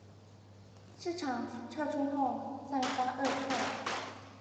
市場撤出後散發惡臭